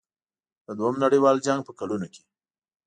د دوهم نړیوال جنګ په کلونو کې.